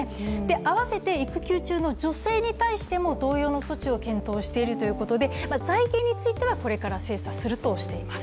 合わせて育休の女性に対しても同様の措置を検討しているということで財源についてはこれから精査するということです。